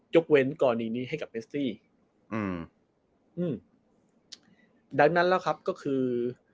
กเว้นกรณีนี้ให้กับเมสซี่อืมอืมดังนั้นแล้วครับก็คือ